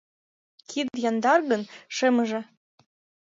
Кид яндар гын, шемыже